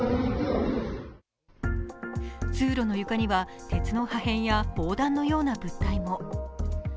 通路の床には鉄の破片や防弾のような物体も。